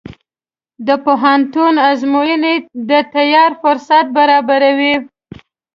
د پوهنتون ازموینې د تیاری فرصت برابروي.